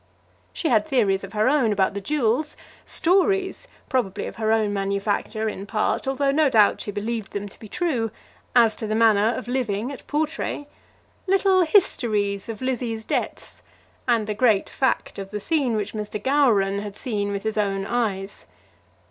She had theories of her own about the jewels, stories, probably of her own manufacture in part, although no doubt she believed them to be true, as to the manner of living at Portray, little histories of Lizzie's debts, and the great fact of the scene which Mr. Gowran had seen with his own eyes.